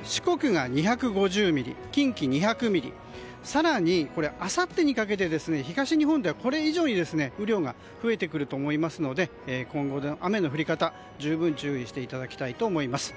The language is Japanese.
四国が２５０ミリ近畿２００ミリ更にあさってにかけて東日本ではこれ以上に雨量が増えてくると思いますので今後、雨の降り方に十分注意していただきたいと思います。